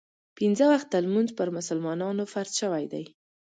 پنځه وخته لمونځ پر مسلمانانو فرض شوی دی.